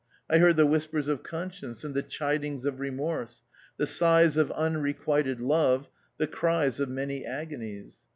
I heard the whispers of conscience and the eludings of remorse, the sighs of unrequited love, the cries of many agonies.